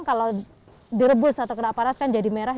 kalau direbus atau kena panas kan jadi merah